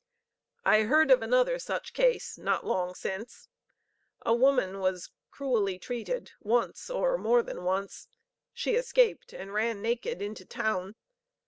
I heard of another such case not long since: A woman was cruelly treated once, or more than once. She escaped and ran naked into town.